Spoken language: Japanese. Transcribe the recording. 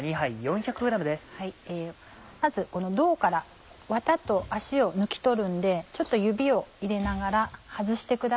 まずこの胴からワタと足を抜き取るんでちょっと指を入れながら外してください。